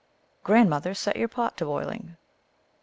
"Grandmother, set your pot to boiling